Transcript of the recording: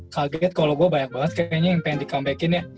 kaget kalau gua banyak banget kayaknya yang pengen di comeback in ya